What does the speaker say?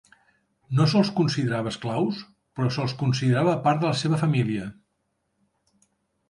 No se'ls considerava esclaus, però se'ls considerava part de la seva família.